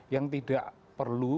yang tidak perlu